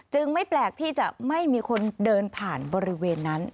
ไม่แปลกที่จะไม่มีคนเดินผ่านบริเวณนั้น